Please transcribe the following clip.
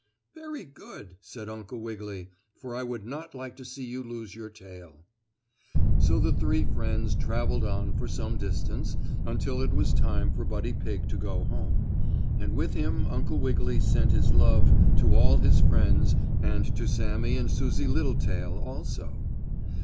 "Very good," said Uncle Wiggily, "for I would not like to see you lose your tail." So, the three friends traveled on for some distance until it was time for Buddy Pigg to go home. And with him Uncle Wiggily sent his love to all his friends and to Sammie and Susie Littletail also.